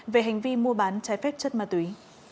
về hành vi mua bán trái phép chất ma túy